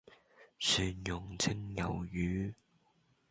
蒜茸蒸魷魚